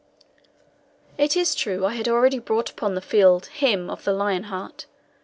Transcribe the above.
It is true I had already brought upon the field him of the lion heart.